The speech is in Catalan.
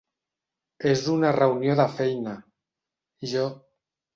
És una reunió de feina, jo...